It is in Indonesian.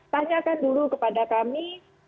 tanyakan dulu kepada kami